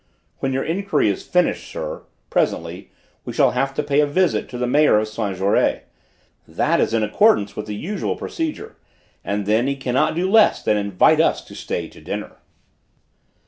"When your enquiry is finished, sir presently we shall have to pay a visit to the Mayor of Saint Jaury. That is in accordance with the usual procedure. And then he cannot do less than invite us to stay to dinner!"